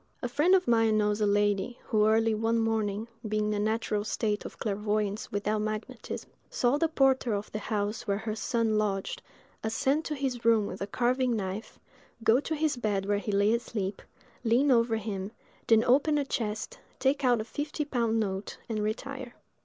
A friend of mine knows a lady who, early one morning—being in a natural state of clairvoyance without magnetism—saw the porter of the house where her son lodged ascend to his room with a carving knife, go to his bed where he lay asleep, lean over him, then open a chest, take out a fifty pound note, and retire.